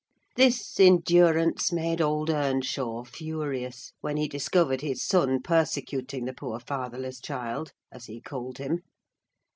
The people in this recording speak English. This endurance made old Earnshaw furious, when he discovered his son persecuting the poor fatherless child, as he called him.